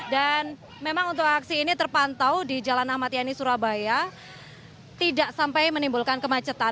dan memang untuk aksi ini terpantau di jalan ahmad yani surabaya tidak sampai menimbulkan kemacetan